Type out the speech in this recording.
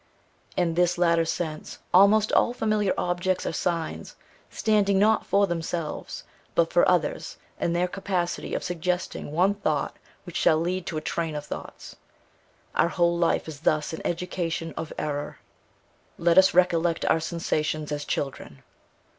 In this latter sense, almost all familiar objects are signs, standing, not for themselves, but for others, in their capacity of suggesting one thought which shall lead to a train of thoughts. Our whole life is thus an education of error. Let us recollect our sensations as children.